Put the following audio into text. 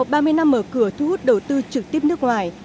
sau ba mươi năm mở cửa thu hút đầu tư trực tiếp nước ngoài